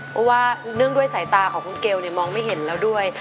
เพราะว่าเนื่องด้วยสายตาของคุณเกลมองไม่เห็นแล้วด้วย